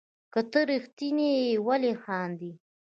که ته ريښتيني يي ولي خاندي